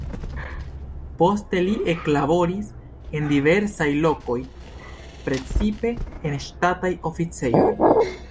Poste li eklaboris en diversaj lokoj, precipe en ŝtataj oficejoj.